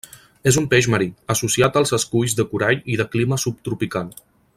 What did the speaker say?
És un peix marí, associat als esculls de corall i de clima subtropical.